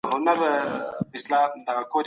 رښتیا ویل د یو ښه تبعه ځانګړتیا ده.